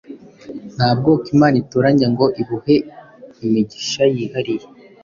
nta bwoko Imana itoranya ngo ibuhe imigisha yihariye